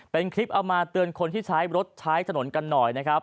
เป็นคลิปเอามาเตือนคนที่ใช้รถใช้ถนนกันหน่อยนะครับ